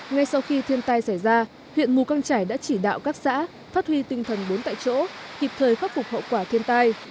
ngay sau khi thiên tai xảy ra huyện mù căng trải đã chỉ đạo các xã phát huy tinh thần bốn tại chỗ kịp thời khắc phục hậu quả thiên tai